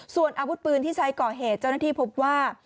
ส่วนอาวุธปืนที่ใช้ก่อเหตุเจ้าหน้าที่พบว่า